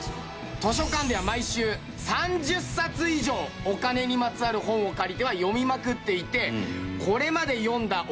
図書館では毎週３０冊以上お金にまつわる本を借りては読みまくっていて。